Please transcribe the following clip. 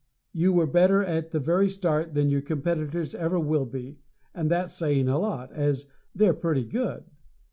You were better at the very start than your competitors ever will be, and that's saying a lot, as they're pretty good.